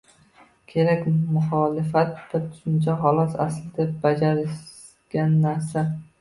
kerak, “muxolifat” bir tushuncha, xolos, aslida, bajarilgan narsa